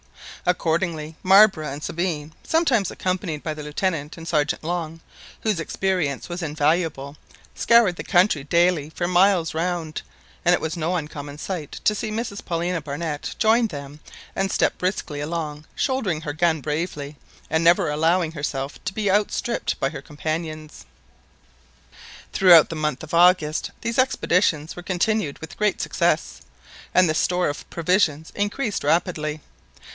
Accordingly Marbre and Sabine, sometimes accompanied by the Lieutenant and Sergeant Long, whose experience was invaluable, scoured the country daily for miles round; and it was no uncommon sight to see Mrs Paulina Barnett join them and step briskly along shouldering her gun bravely, and never allowing herself to be outstripped by her companions. Throughout the month of August these expeditions were continued with great success, and the store of provisions increased rapidly.